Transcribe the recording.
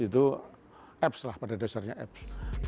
itu apps lah pada dasarnya apps